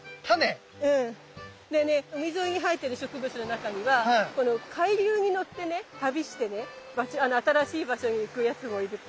でね海沿いに生えてる植物の中にはこの海流にのってね旅してね新しい場所に行くやつもいて。